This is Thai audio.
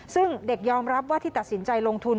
ซึ่งเด็กยอมรับว่าที่ตัดสินใจลงทุน